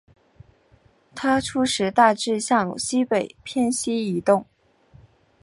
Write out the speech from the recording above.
它初时大致向西北偏西移动。